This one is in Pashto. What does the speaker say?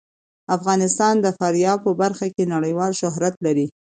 افغانستان د فاریاب په برخه کې نړیوال شهرت لري.